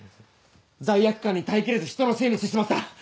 ⁉罪悪感に耐え切れずひとのせいにしてしまった。